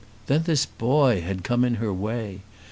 Then this boy had come in her way!